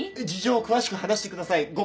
事情を詳しく話してください。